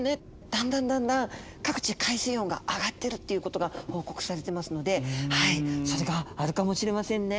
だんだんだんだん各地で海水温が上がってるっていうことが報告されてますのでそれがあるかもしれませんね。